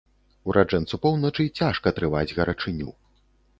Ураджэнцу поўначы цяжка трываць гарачыню.